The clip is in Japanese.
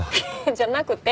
じゃなくて。